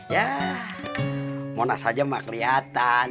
ya monas aja mah kelihatan